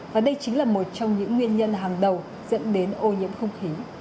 và đây chính là một trong những nguyên nhân hàng đầu dẫn đến ô nhiễm không khí